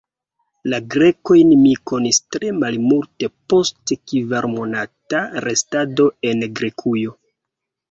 La Grekojn mi konis tre malmulte post kvarmonata restado en Grekujo.